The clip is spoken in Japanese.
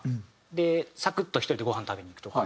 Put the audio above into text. でサクッと１人でごはん食べに行くとか。